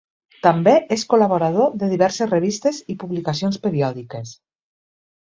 També és col·laborador de diverses revistes i publicacions periòdiques.